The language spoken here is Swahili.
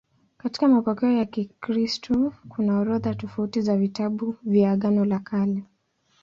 Katika mapokeo ya Kikristo kuna orodha tofauti za vitabu vya Agano la Kale.